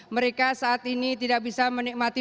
mereka saat ini tidak bisa menikmati